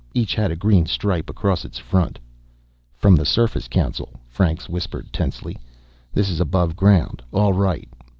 Each had a green stripe across its front. "From the Surface Council," Franks whispered tensely. "This is above ground, all right.